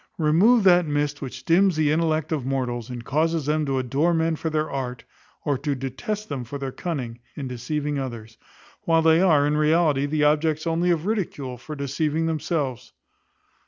Remove that mist which dims the intellects of mortals, and causes them to adore men for their art, or to detest them for their cunning, in deceiving others, when they are, in reality, the objects only of ridicule, for deceiving themselves.